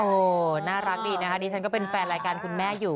โอ้โหน่ารักดีนะคะดิฉันก็เป็นแฟนรายการคุณแม่อยู่